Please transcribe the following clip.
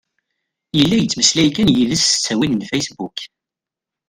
Yella yettmeslay kan d yid-s s ttawil n fasebbuk.